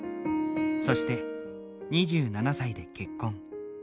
そして２７歳で結婚。